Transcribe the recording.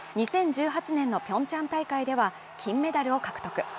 ２０１８年のピョンチャン大会では金メダルを獲得。